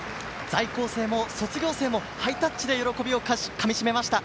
在校生も卒業生もハイタッチで喜びをかみしめました。